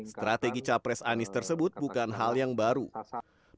strategi capres anies tersebut bukan hanya untuk menurunkan rasio utang pemerintah